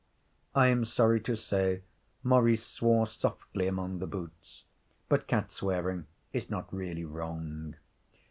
I am sorry to say Maurice swore softly among the boots, but cat swearing is not really wrong.